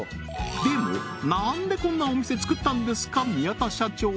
でもなんでこんなお店作ったんですか宮田社長